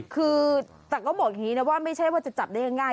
คือแต่ก็บอกอย่างนี้นะว่าไม่ใช่ว่าจะจับได้ง่าย